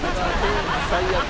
「最悪」